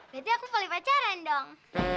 berarti aku sekali pacaran dong